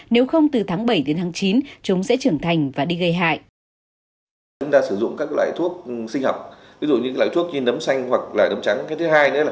nếu không từ tháng bảy đến tháng chín chúng sẽ trưởng thành và đi gây hại